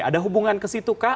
ada hubungan ke situ kah